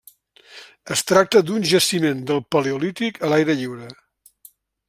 Es tracta d'un jaciment del Paleolític a l'aire lliure.